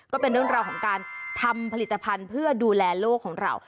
ก็เป็นเรื่องราวของการทำผลิตภัณฑ์เพื่อดูแลโลกของเรา